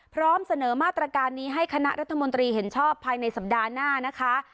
พร้อมเสนอมาตรการนี้ให้คณะรัฐมนตรีเห็นชอบภายในสัปดาห์หน้านะคะ